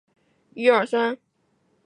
该组织的总部位于尼科西亚。